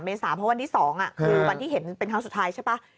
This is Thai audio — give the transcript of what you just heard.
เมษาเพราะวันที่๒คือวันที่เห็นเป็นครั้งสุดท้ายใช่ป่ะ